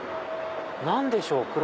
何でしょう？